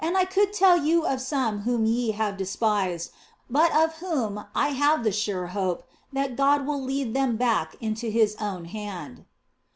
I could tell you of some whom ye have despised, but of whom I have the sure hope that God will lead them back into His own Hand.